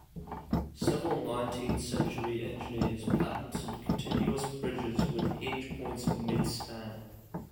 Several nineteenth century engineers patented continuous bridges with hinge points mid-span.